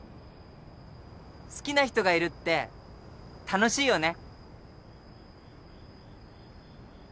好きな人がいるって楽しいよね。